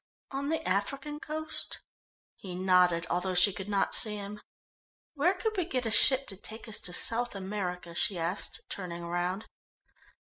"On the African coast?" He nodded, although she could not see him. "Where could we get a ship to take us to South America?" she asked, turning round.